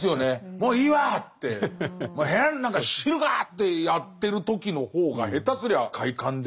もういいわってもう部屋なんか知るかってやってる時の方が下手すりゃ快感で。